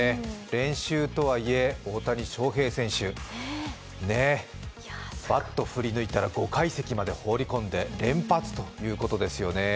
練習とはいえ、大谷翔平選手バット振り抜いたら５階席まで放り込んで、連発ということですよね。